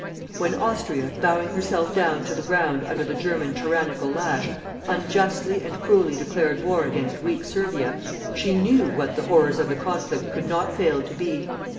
When Austria, bowing herself down to the ground under the German tyrannical lash, unjustly and cruelly declared war against weak Servia, she knew what the horrors of the conflict could not fail to be.